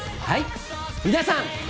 はい皆さん。